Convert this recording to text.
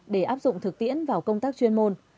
để áp dụng thực tiễn vào công tác chuyên môn